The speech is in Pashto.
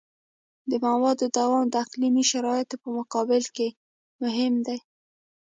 د موادو دوام د اقلیمي شرایطو په مقابل کې مهم دی